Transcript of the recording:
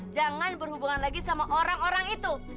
jangan berhubungan lagi sama orang orang itu